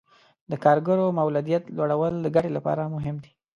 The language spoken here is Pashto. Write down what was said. د کارګرو مولدیت لوړول د ګټې لپاره مهم دي.